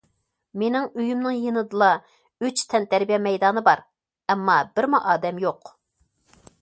مېنىڭ ئۆيۈمنىڭ يېنىدىلا ئۈچ تەنتەربىيە مەيدانى بار، ئەمما بىرمۇ ئادەم يوق.